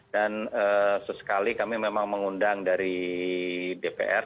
dan sesekali kami memang mengundang dari dpr